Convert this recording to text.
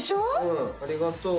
ありがとう。